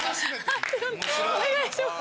判定お願いします。